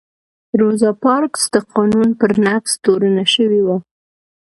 روزا پارکس د قانون پر نقض تورنه شوې وه.